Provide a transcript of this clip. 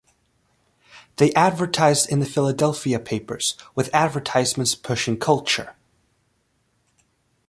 They advertised in the Philadelphia papers, with advertisements pushing culture.